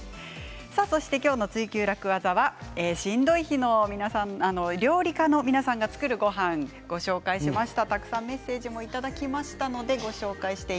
今日の「ツイＱ楽ワザ」はしんどい日の料理家の皆さんが作るごはんをご紹介しました。